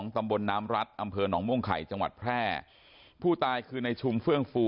ตำบลน้ำรัฐอำเภอหนองม่วงไข่จังหวัดแพร่ผู้ตายคือในชุมเฟื่องฟู